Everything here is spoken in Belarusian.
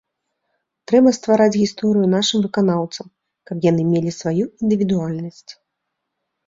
Трэба ствараць гісторыю нашым выканаўцам, каб яны мелі сваю індывідуальнасць.